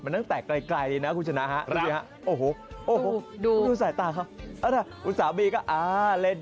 คนนี้ตั้งใจดูมือถือมากค่ะ